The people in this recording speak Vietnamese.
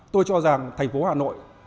tôi cho rằng thành phố hà nội